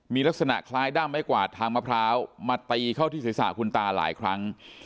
มีลักษณะคล้ายด้ำไว้กว่าทางมะพร้าวมาตีเข้าที่ศิษย์ศาสตร์คุณตาหลายครั้ง